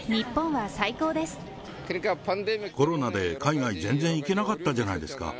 コロナで海外、全然行けなかったじゃないですか。